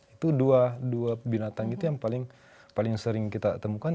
itu dua binatang itu yang paling sering kita temukan